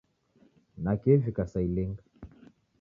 Nakio ivika saa ilinga